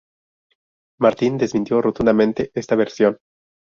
Martin desmintió rotundamente esta versión.